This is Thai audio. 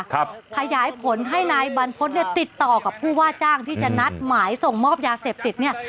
ขยายผลให้นายบรรพฤษเนี่ยติดต่อกับผู้ว่าจ้างที่จะนัดหมายส่งมอบยาเสพติดเนี่ย